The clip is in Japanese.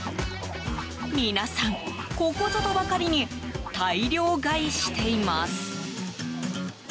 皆さん、ここぞとばかりに大量買いしています。